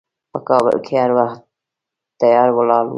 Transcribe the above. په کابل کې هر وخت تیار ولاړ و.